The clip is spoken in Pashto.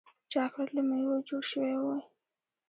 چاکلېټ له میوو جوړ شوی وي.